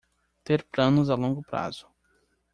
Ter planos a longo prazo